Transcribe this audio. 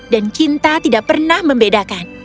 dan cinta tidak pernah membedakan